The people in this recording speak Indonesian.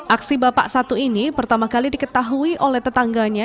aksi bapak satu ini pertama kali diketahui oleh tetangganya